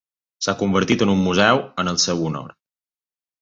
S"ha convertit en un museu en el seu honor.